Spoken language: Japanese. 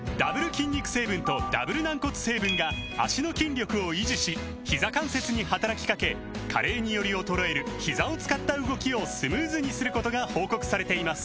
筋肉成分とダブル軟骨成分が脚の筋力を維持しひざ関節に働きかけ加齢により衰えるひざを使った動きをスムーズにすることが報告されています